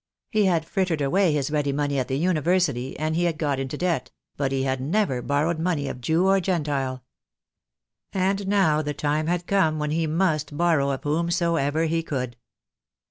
He had frittered away his ready money at the University, and he had got into debt; but he had never borrowed money of Jew or Gentile. And now the time had come when he must borrow of whomsoever he could.